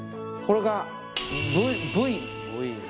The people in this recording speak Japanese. これがＶ。